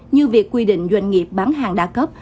như việc quy định doanh nghiệp bán hàng đa cấp